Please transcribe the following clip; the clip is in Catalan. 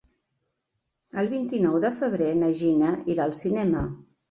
El vint-i-nou de febrer na Gina irà al cinema.